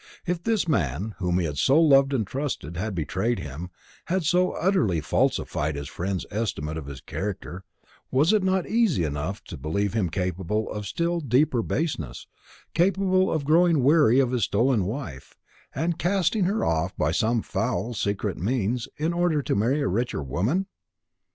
If this man, whom he had so loved and trusted, had betrayed him, had so utterly falsified his friend's estimate of his character, was it not easy enough to believe him capable of still deeper baseness, capable of growing weary of his stolen wife, and casting her off by some foul secret means, in order to marry a richer woman?